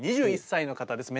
２１歳の方です。